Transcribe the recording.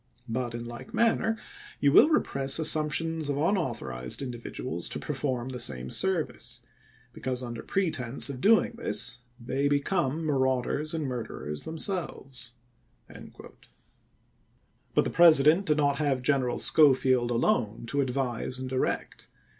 But, in like manner, you will repress assumptions of pp.'^sss.^ssG, unauthorized individuals to perform the same service; Auto^aph because, under pretense of doing this, they become MS. marauders and miu'derers themselves. Gamble to Lincolu, Oct. 1, 1863. MS. But the President did not have General Schofield alone to advise and direct.